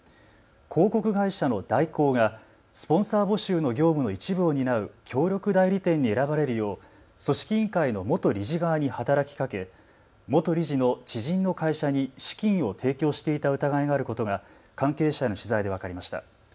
広告会社の大広がスポンサー募集の業務の一部を担う協力代理店に選ばれるよう組織委員会の元理事側に働きかけ元理事の知人の会社に資金を提供していた疑いがあることが関係者への取材で分かりました。